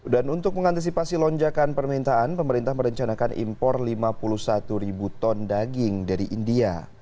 dan untuk mengantisipasi lonjakan permintaan pemerintah merencanakan impor lima puluh satu ribu ton daging dari india